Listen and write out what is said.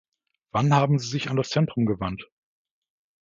Wann haben sie sich an das Zentrum gewandt?